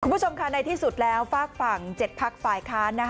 คุณผู้ชมค่ะในที่สุดแล้วฝากฝั่ง๗พักฝ่ายค้าน